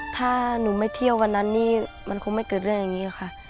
ถ้าหนูไม่เที่ยววันนั้นนี่มันคงไม่เกิดเรื่องอย่างนี้ค่ะ